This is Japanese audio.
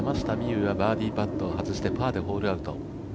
有がバーディーパットを外してパーでホールアウト。